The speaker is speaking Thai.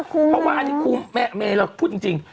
เพราะว่าอันนี้คุ้มไม่ให้เราพูดจริง